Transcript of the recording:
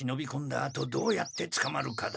あとどうやってつかまるかだ。